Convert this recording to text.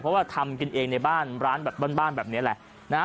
เพราะว่าทำกันเองในบ้านร้านแบบบ้านแบบนี้แหละนะฮะ